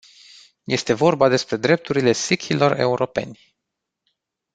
Este vorba despre drepturile sikhilor europeni.